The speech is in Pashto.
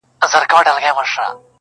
او بېلابېلي خبري کوي-